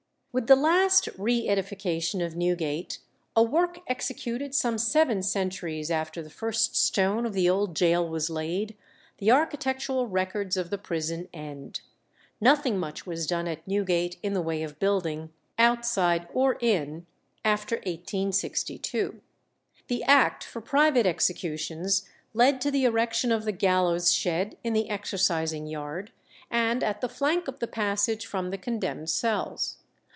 With the last re edification of Newgate, a work executed some seven centuries after the first stone of the old gaol was laid, the architectural records of the prison end. Nothing much was done at Newgate in the way of building, outside or in, after 1862. The Act for private executions led to the erection of the gallows shed in the exercising yard, and at the flank of the passage from the condemned cells.